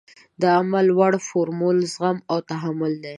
د عمل وړ فورمول زغم او تحمل دی.